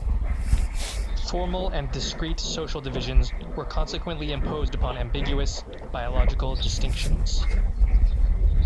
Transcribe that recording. Formal and discrete social divisions were consequently imposed upon ambiguous biological distinctions.